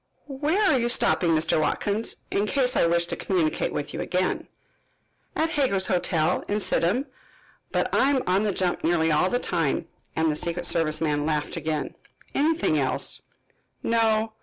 "Where are you stopping, Mr. Watkins, in case I wish to communicate with you again?" "At Hager's Hotel, in Sidham. But I am on the jump nearly all the time," and the secret service man laughed again. "Anything else?" "No."